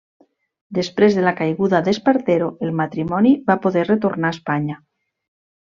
Després de la caiguda d'Espartero, el matrimoni va poder retornar a Espanya.